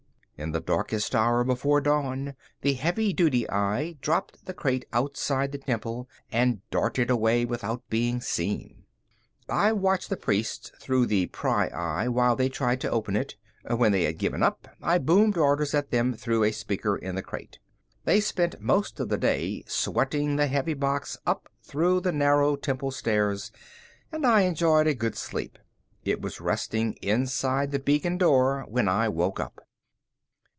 In the darkest hour before dawn, the heavy duty eye dropped the crate outside the temple and darted away without being seen. I watched the priests through the pryeye while they tried to open it. When they had given up, I boomed orders at them through a speaker in the crate. They spent most of the day sweating the heavy box up through the narrow temple stairs and I enjoyed a good sleep. It was resting inside the beacon door when I woke up.